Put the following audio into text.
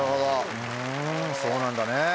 ふんそうなんだね。